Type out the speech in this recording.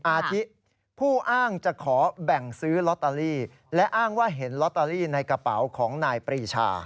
อาทิผู้อ้างจะขอแบ่งซื้อลอตเตอรี่และอ้างว่าเห็นลอตเตอรี่ในกระเป๋าของนายปรีชา